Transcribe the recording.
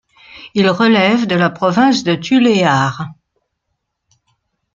Il relève de la province de Tuléar.